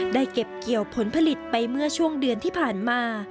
เก็บเกี่ยวผลผลิตไปเมื่อช่วงเดือนที่ผ่านมา